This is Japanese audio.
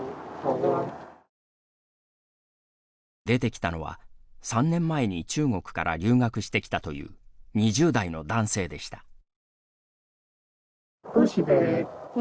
出てきたのは、３年前に中国から留学してきたという２０代の男性でした。